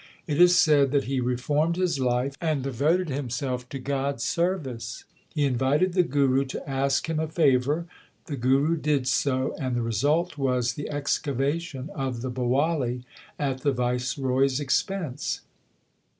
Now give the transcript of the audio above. It is said that he reformed his life, and devoted himself to God s service. He invited the Guru to ask him a favour. The Guru did so, and the result was the excavation of the Bawali at the Viceroy s expense.